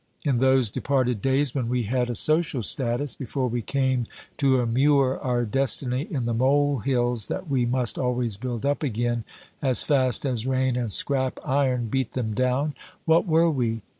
In those departed days when we had a social status, before we came to immure our destiny in the molehills that we must always build up again as fast as rain and scrap iron beat them down, what were we?